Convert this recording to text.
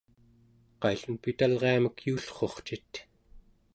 qaillun pitalriamek yuullrurcit?